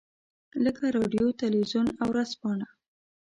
لکه رادیو، تلویزیون او ورځپاڼه.